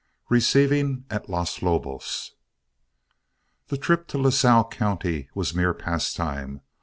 RECEIVING AT LOS LOBOS The trip to Lasalle County was mere pastime.